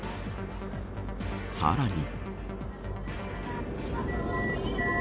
さらに。